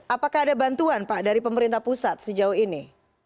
apakah ada bantuan pak dari pemerintah pusat sejauh ini